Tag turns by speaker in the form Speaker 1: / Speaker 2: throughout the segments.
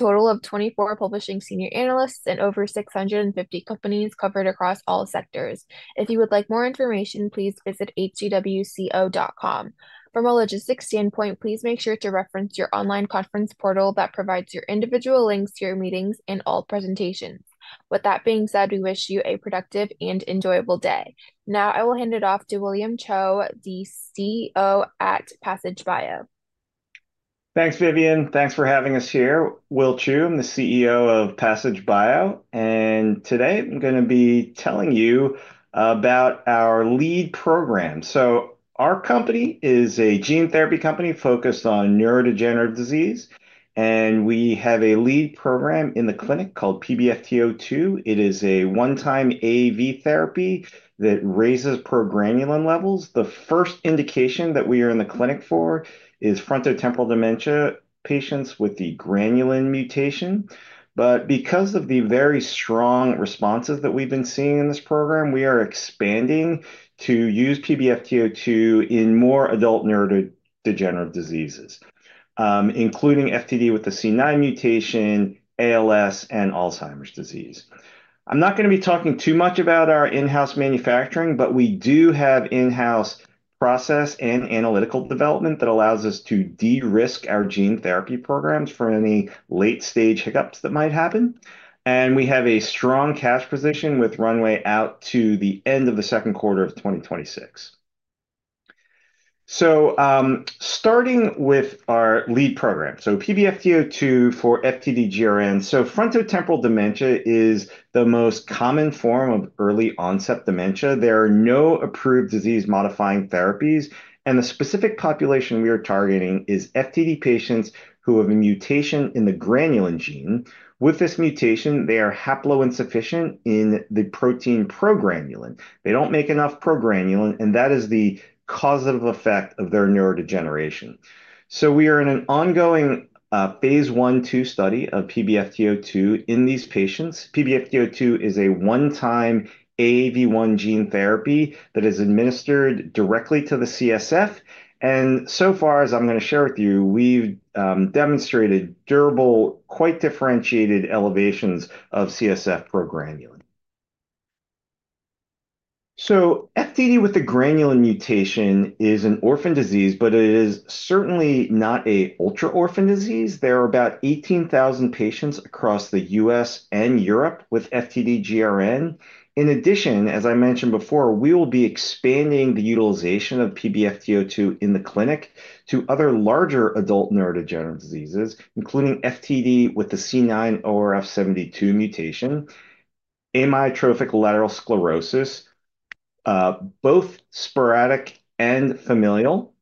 Speaker 1: total of 24 published senior analysts and over 650 companies covered across all sectors. If you would like more information, please visit hcwco.com. From a logistics standpoint, please make sure to reference your online conference portal that provides your individual links to your meetings and all presentations. With that being said, we wish you a productive and enjoyable day. Now, I will hand it off to William Chou, the CEO at Passage Bio.
Speaker 2: Thanks, Vivian. Thanks for having us here. Will Chou, I'm the CEO of Passage Bio, and today I'm gonna be telling you about our lead program, so our company is a gene therapy company focused on neurodegenerative disease, and we have a lead program in the clinic called PBFT02. It is a one-time AAV therapy that raises progranulin levels. The first indication that we are in the clinic for is frontotemporal dementia patients with the granulin mutation, but because of the very strong responses that we've been seeing in this program, we are expanding to use PBFT02 in more adult neurodegenerative diseases, including FTD with the C9 mutation, ALS, and Alzheimer's disease. I'm not gonna be talking too much about our in-house manufacturing, but we do have in-house process and analytical development that allows us to de-risk our gene therapy programs for any late-stage hiccups that might happen. We have a strong cash position with runway out to the end of the second quarter of 2026. Starting with our lead program, PBFT02 for FTD GRN. Frontotemporal dementia is the most common form of early-onset dementia. There are no approved disease-modifying therapies, and the specific population we are targeting is FTD patients who have a mutation in the granulin gene. With this mutation, they are haploinsufficient in the protein progranulin. They don't make enough progranulin, and that is the causative effect of their neurodegeneration. We are in an ongoing phase one two study of PBFT02 in these patients. PBFT02 is a one-time AAV1 gene therapy that is administered directly to the CSF, and so far, as I'm gonna share with you, we've demonstrated durable, quite differentiated elevations of CSF progranulin. So FTD with the granulin mutation is an orphan disease, but it is certainly not an ultra-orphan disease. There are about 18,000 patients across the U.S. and Europe with FTD-GRN. In addition, as I mentioned before, we will be expanding the utilization of PBFT02 in the clinic to other larger adult neurodegenerative diseases, including FTD with the C9orf72 mutation, amyotrophic lateral sclerosis, both sporadic and familial,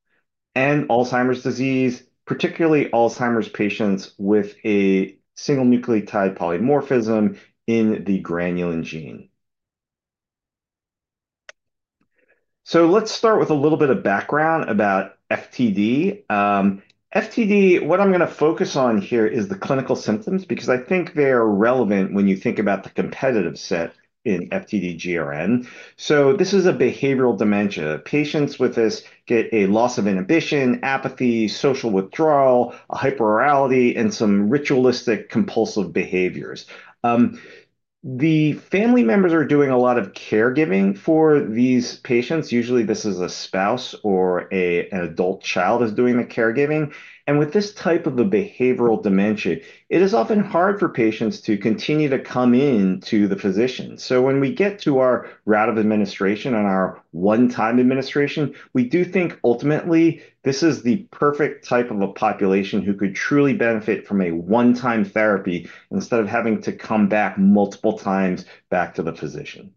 Speaker 2: and Alzheimer's disease, particularly Alzheimer's patients with a single nucleotide polymorphism in the granulin gene. So let's start with a little bit of background about FTD. FTD, what I'm gonna focus on here is the clinical symptoms, because I think they are relevant when you think about the competitive set in FTD-GRN. So this is a behavioral dementia. Patients with this get a loss of inhibition, apathy, social withdrawal, a hyperorality, and some ritualistic compulsive behaviors. The family members are doing a lot of caregiving for these patients. Usually, this is a spouse or an adult child is doing the caregiving, and with this type of a behavioral dementia, it is often hard for patients to continue to come in to the physician, so when we get to our route of administration and our one-time administration, we do think ultimately this is the perfect type of a population who could truly benefit from a one-time therapy instead of having to come back multiple times back to the physician.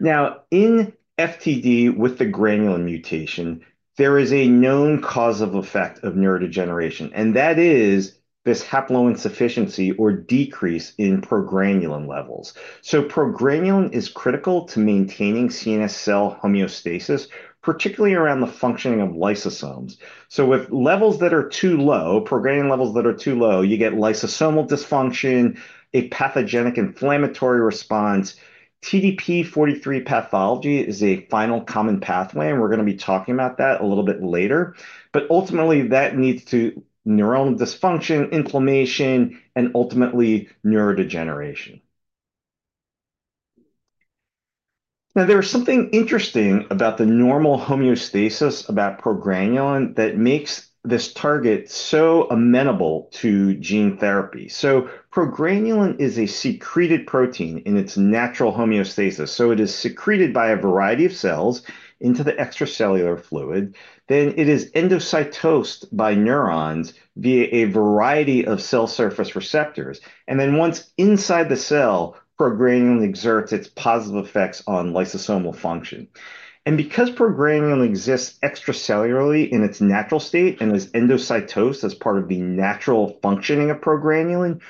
Speaker 2: Now, in FTD with the Granulin mutation, there is a known cause and effect of neurodegeneration, and that is this haploinsufficiency or decrease in progranulin levels, so progranulin is critical to maintaining CNS cell homeostasis, particularly around the functioning of lysosomes. So with levels that are too low, progranulin levels that are too low, you get lysosomal dysfunction, a pathogenic inflammatory response. TDP-43 pathology is a final common pathway, and we're gonna be talking about that a little bit later, but ultimately, that leads to neuronal dysfunction, inflammation, and ultimately neurodegeneration. Now, there is something interesting about the normal homeostasis about progranulin that makes this target so amenable to gene therapy, so progranulin is a secreted protein in its natural homeostasis, so it is secreted by a variety of cells into the extracellular fluid. Then, it is endocytosed by neurons via a variety of cell surface receptors, and then once inside the cell, progranulin exerts its positive effects on lysosomal function, and because progranulin exists extracellularly in its natural state and is endocytosed as part of the natural functioning of progranulin,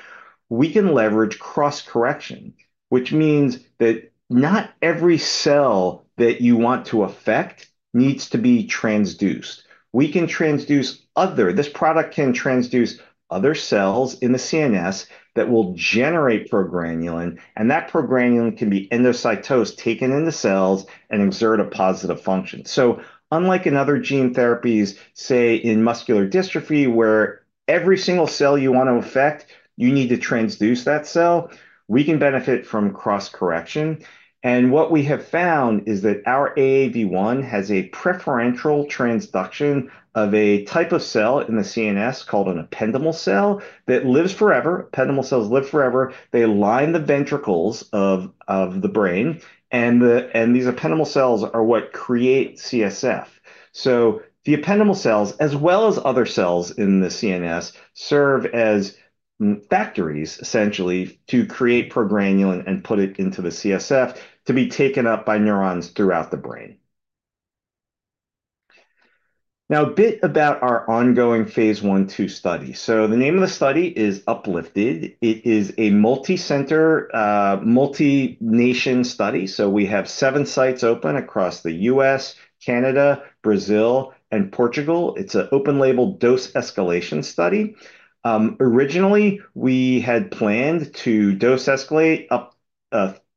Speaker 2: we can leverage cross-correction.... which means that not every cell that you want to affect needs to be transduced. This product can transduce other cells in the CNS that will generate progranulin, and that progranulin can be endocytosed, taken in the cells, and exert a positive function. So unlike in other gene therapies, say, in muscular dystrophy, where every single cell you want to affect, you need to transduce that cell, we can benefit from cross-correction. And what we have found is that our AAV1 has a preferential transduction of a type of cell in the CNS called an ependymal cell that lives forever. Ependymal cells live forever. They line the ventricles of the brain, and these ependymal cells are what create CSF. So the ependymal cells, as well as other cells in the CNS, serve as factories, essentially, to create progranulin and put it into the CSF to be taken up by neurons throughout the brain. Now, a bit about our ongoing phase I/II study. So the name of the study is upliFT-D. It is a multicenter, multi-nation study, so we have seven sites open across the U.S., Canada, Brazil, and Portugal. It's an open-label dose escalation study. Originally, we had planned to dose escalate up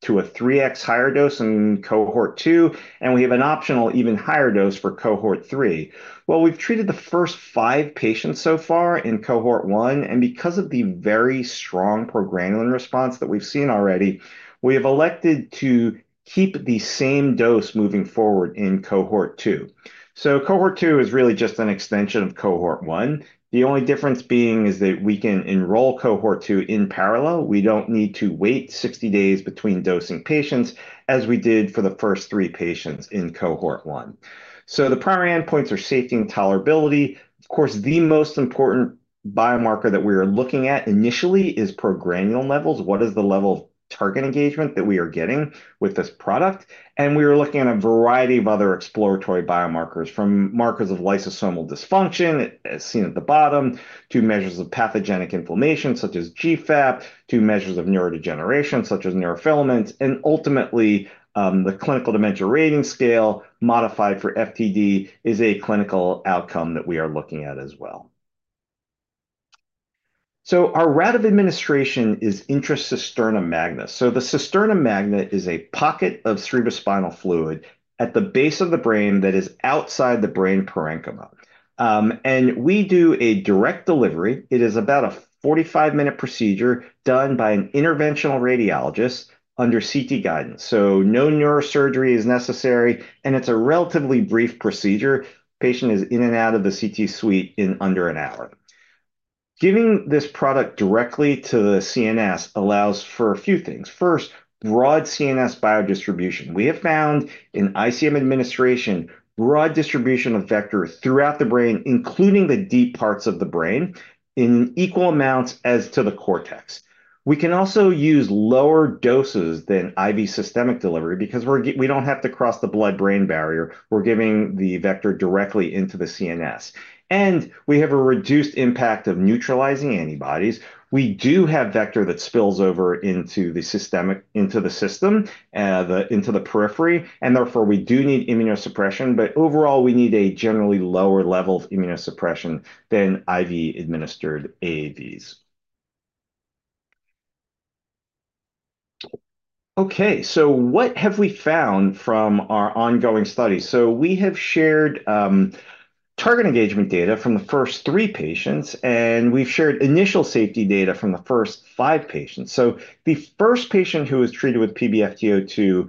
Speaker 2: to a three X higher dose in cohort two, and we have an optional even higher dose for cohort three. Well, we've treated the first five patients so far in cohort one, and because of the very strong progranulin response that we've seen already, we have elected to keep the same dose moving forward in cohort two. Cohort two is really just an extension of cohort one. The only difference being is that we can enroll cohort two in parallel. We don't need to wait 60 days between dosing patients, as we did for the first three patients in cohort one. The primary endpoints are safety and tolerability. Of course, the most important biomarker that we are looking at initially is progranulin levels. What is the level of target engagement that we are getting with this product? And we are looking at a variety of other exploratory biomarkers, from markers of lysosomal dysfunction, as seen at the bottom, to measures of pathogenic inflammation, such as GFAP, to measures of neurodegeneration, such as neurofilaments, and ultimately, the clinical dementia rating scale modified for FTD is a clinical outcome that we are looking at as well. Our route of administration is intra-cisterna magna. The cisterna magna is a pocket of cerebrospinal fluid at the base of the brain that is outside the brain parenchyma, and we do a direct delivery. It is about a 45-minute procedure done by an interventional radiologist under CT guidance, so no neurosurgery is necessary, and it's a relatively brief procedure. Patient is in and out of the CT suite in under an hour. Giving this product directly to the CNS allows for a few things. First, broad CNS biodistribution. We have found in ICM administration, broad distribution of vectors throughout the brain, including the deep parts of the brain, in equal amounts as to the cortex. We can also use lower doses than IV systemic delivery because we don't have to cross the blood-brain barrier. We're giving the vector directly into the CNS, and we have a reduced impact of neutralizing antibodies. We do have vector that spills over into the systemic, into the periphery, and therefore, we do need immunosuppression, but overall, we need a generally lower level of immunosuppression than IV-administered AAVs. Okay, so what have we found from our ongoing study? So we have shared target engagement data from the first three patients, and we've shared initial safety data from the first five patients. So the first patient who was treated with PBFT02,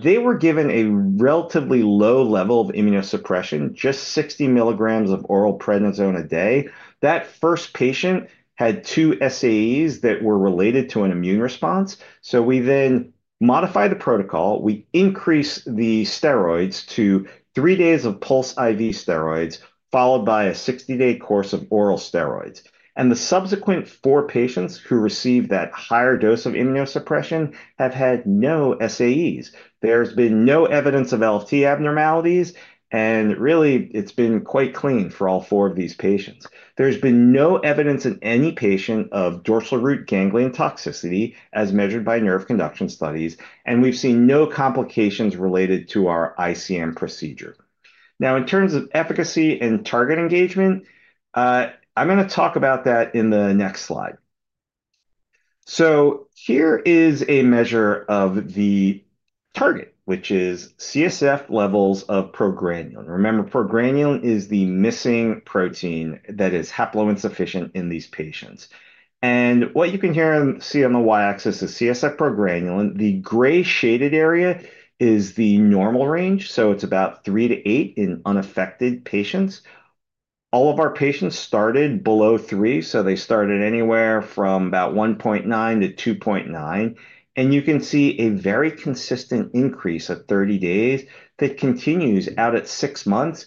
Speaker 2: they were given a relatively low level of immunosuppression, just 60 milligrams of oral prednisone a day. That first patient had two SAEs that were related to an immune response, so we then modified the protocol. We increased the steroids to three days of pulse IV steroids, followed by a sixty-day course of oral steroids, and the subsequent four patients who received that higher dose of immunosuppression have had no SAEs. There's been no evidence of LFT abnormalities, and really, it's been quite clean for all four of these patients. There's been no evidence in any patient of dorsal root ganglion toxicity, as measured by nerve conduction studies, and we've seen no complications related to our ICM procedure. Now, in terms of efficacy and target engagement, I'm gonna talk about that in the next slide. So here is a measure of the target, which is CSF levels of progranulin. Remember, progranulin is the missing protein that is haploinsufficient in these patients. And what you can hear and see on the Y-axis is CSF progranulin. The gray shaded area is the normal range, so it's about three to eight in unaffected patients. All of our patients started below three, so they started anywhere from about 1.9 to 2.9, and you can see a very consistent increase at 30 days that continues out at 6 months.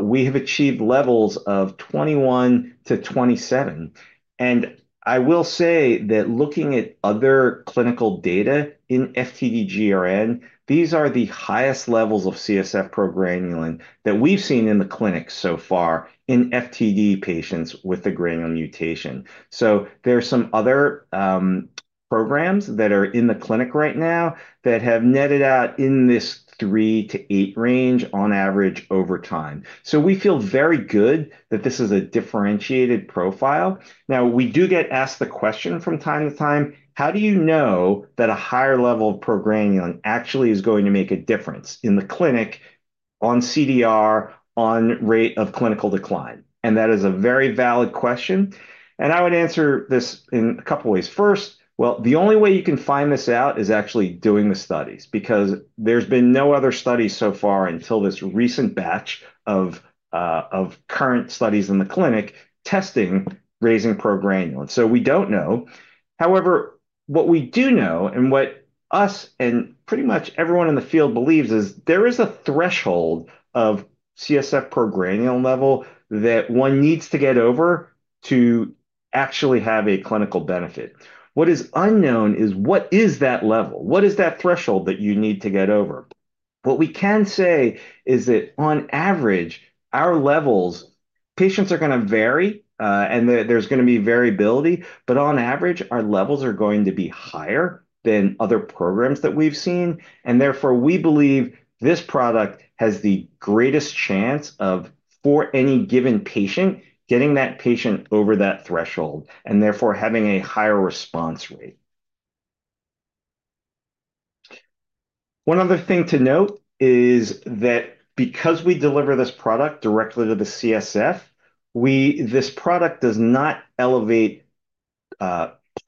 Speaker 2: We have achieved levels of 21 to 27, and I will say that looking at other clinical data in FTD-GRN, these are the highest levels of CSF progranulin that we've seen in the clinic so far in FTD patients with the granulin mutation. So there are some other programs that are in the clinic right now that have netted out in this three to eight range on average over time. So we feel very good that this is a differentiated profile. Now, we do get asked the question from time to time: how do you know that a higher level of progranulin actually is going to make a difference in the clinic on CDR, on rate of clinical decline? And that is a very valid question, and I would answer this in a couple ways. First, well, the only way you can find this out is actually doing the studies, because there's been no other study so far until this recent batch of of current studies in the clinic testing raising progranulin. So we don't know. However, what we do know, and what us and pretty much everyone in the field believes, is there is a threshold of CSF progranulin level that one needs to get over to actually have a clinical benefit. What is unknown is what is that level? What is that threshold that you need to get over? What we can say is that on average, our levels - patients are gonna vary, and there's gonna be variability, but on average, our levels are going to be higher than other programs that we've seen. And therefore, we believe this product has the greatest chance of, for any given patient, getting that patient over that threshold, and therefore, having a higher response rate. One other thing to note is that because we deliver this product directly to the CSF, this product does not elevate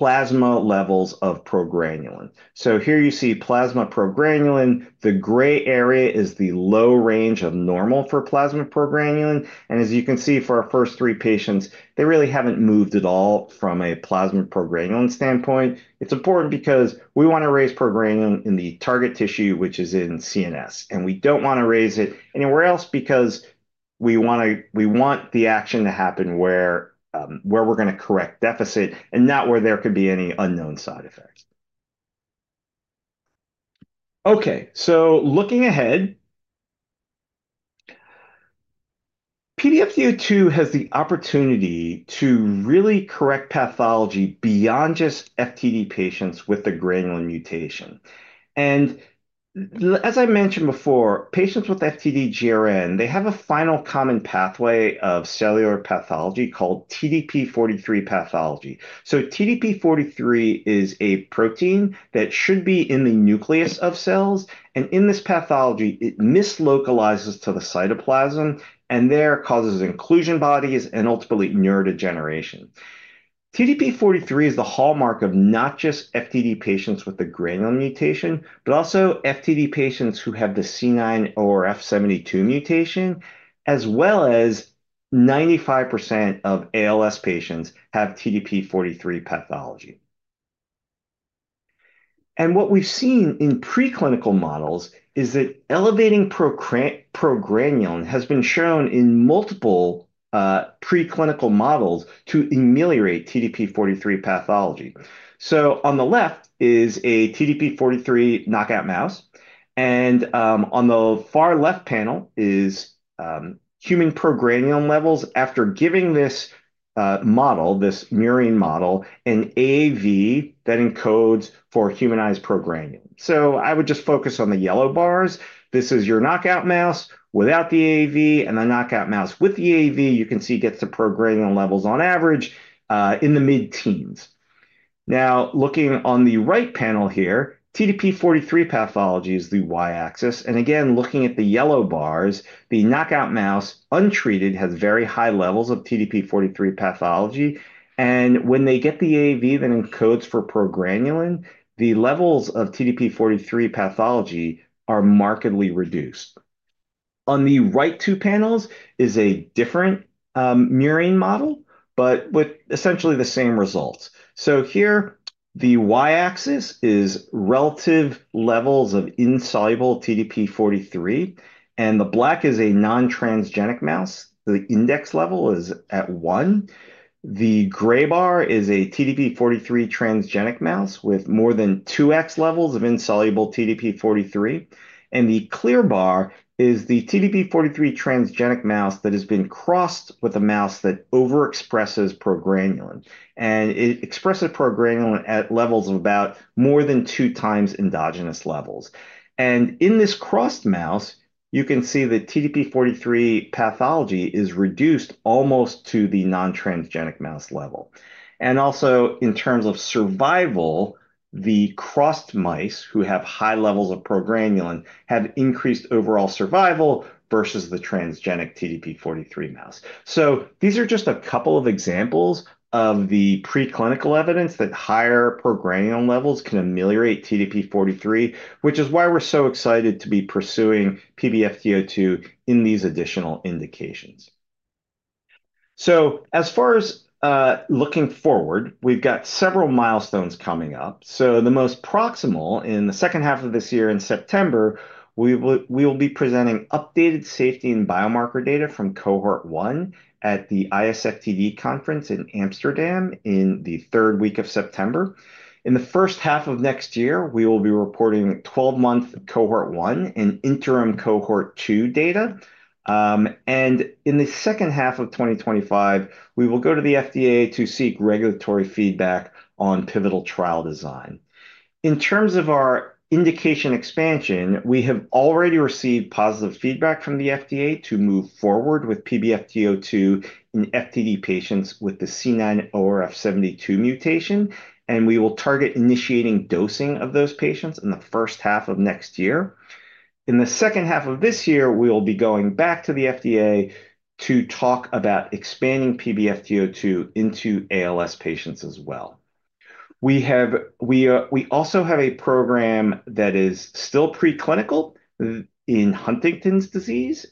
Speaker 2: plasma levels of progranulin. So here you see plasma progranulin. The gray area is the low range of normal for plasma progranulin, and as you can see, for our first three patients, they really haven't moved at all from a plasma progranulin standpoint. It's important because we want to raise progranulin in the target tissue, which is in CNS, and we don't want to raise it anywhere else because we want to... We want the action to happen where we're going to correct deficit, and not where there could be any unknown side effects. Okay, so looking ahead, PBFT02 has the opportunity to really correct pathology beyond just FTD patients with a granulin mutation. And as I mentioned before, patients with FTD-GRN, they have a final common pathway of cellular pathology called TDP-43 pathology. So TDP-43 is a protein that should be in the nucleus of cells, and in this pathology, it mislocalizes to the cytoplasm, and there, causes inclusion bodies and ultimately neurodegeneration. TDP-43 is the hallmark of not just FTD patients with a granulin mutation, but also FTD patients who have the C9orf72 mutation, as well as 95% of ALS patients have TDP-43 pathology. And what we've seen in preclinical models is that elevating progranulin has been shown in multiple preclinical models to ameliorate TDP-43 pathology. So on the left is a TDP-43 knockout mouse, and on the far left panel is human progranulin levels after giving this model, this murine model, an AAV that encodes for humanized progranulin. So I would just focus on the yellow bars. This is your knockout mouse without the AAV, and the knockout mouse with the AAV, you can see, gets the progranulin levels on average in the mid-teens. Now, looking on the right panel here, TDP-43 pathology is the Y-axis, and again, looking at the yellow bars, the knockout mouse, untreated, has very high levels of TDP-43 pathology. And when they get the AAV that encodes for progranulin, the levels of TDP-43 pathology are markedly reduced. On the right two panels is a different, murine model, but with essentially the same results. So here, the Y-axis is relative levels of insoluble TDP-43, and the black is a non-transgenic mouse. The index level is at one. The gray bar is a TDP-43 transgenic mouse with more than two X levels of insoluble TDP-43. And the clear bar is the TDP-43 transgenic mouse that has been crossed with a mouse that overexpresses progranulin, and it expresses progranulin at levels of about more than two times endogenous levels. In this crossed mouse, you can see the TDP-43 pathology is reduced almost to the non-transgenic mouse level. Also, in terms of survival, the crossed mice, who have high levels of progranulin, have increased overall survival versus the transgenic TDP-43 mouse. These are just a couple of examples of the preclinical evidence that higher progranulin levels can ameliorate TDP-43, which is why we're so excited to be pursuing PBFT02 in these additional indications. As far as looking forward, we've got several milestones coming up. The most proximal, in the second half of this year, in September, we will be presenting updated safety and biomarker data from cohort one at the ISFTD conference in Amsterdam in the third week of September. In the first half of next year, we will be reporting twelve-month cohort one and interim cohort two data. And in the second half of 2025, we will go to the FDA to seek regulatory feedback on pivotal trial design. In terms of our indication expansion, we have already received positive feedback from the FDA to move forward with PBFT02 in FTD patients with the C9orf72 mutation, and we will target initiating dosing of those patients in the first half of next year. In the second half of this year, we will be going back to the FDA to talk about expanding PBFT02 into ALS patients as well. We also have a program that is still preclinical in Huntington's disease.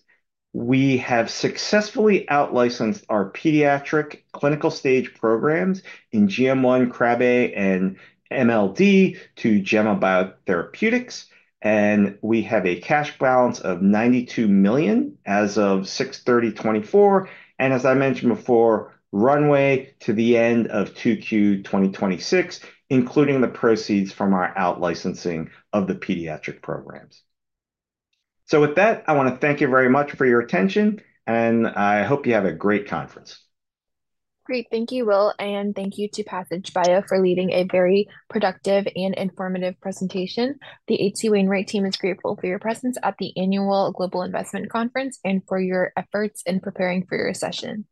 Speaker 2: We have successfully outlicensed our pediatric clinical-stage programs in GM1, Krabbe, and MLD to Gemma Biotherapeutics, and we have a cash balance of $92 million as of June 30, 2024. And as I mentioned before, runway to the end of 2Q 2026, including the proceeds from our outlicensing of the pediatric programs. So with that, I want to thank you very much for your attention, and I hope you have a great conference.
Speaker 1: Great. Thank you, Will, and thank you to Passage Bio for leading a very productive and informative presentation. The H.C. Wainwright team is grateful for your presence at the annual Global Investment Conference and for your efforts in preparing for your session. Bye.